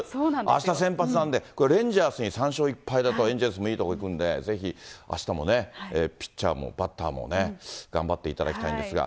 あした先発なんで、これ、レンジャースに３勝１敗だとエンゼルスもいいとこいくんで、ぜひ、あしたもね、ピッチャーもバッターもね、頑張っていただきたいんですが。